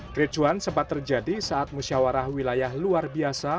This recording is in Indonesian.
kericuan sempat terjadi saat musyawarah wilayah luar biasa